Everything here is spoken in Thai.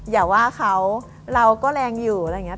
อย่าว่าเขาเราก็แรงอยู่อะไรอย่างนี้